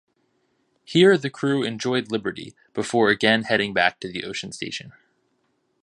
Here the crew enjoyed liberty before again heading back to the ocean station.